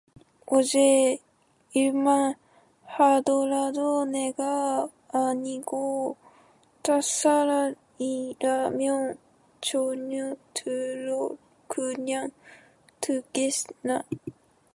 어제 일만 하더라도 내가 아니고 딴사람이라면 자네들을 그냥 두겠나.